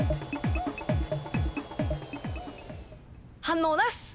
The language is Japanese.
反応なし！